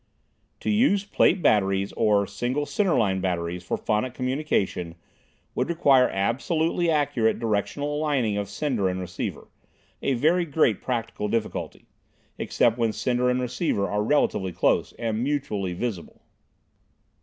To use plate batteries or single center line batteries for phonic communication would require absolutely accurate directional aligning of sender and receiver, a very great practical difficulty, except when sender and receiver are relatively close and mutually visible.